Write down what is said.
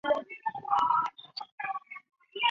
部活中存在的男女区别已引发了一些问题。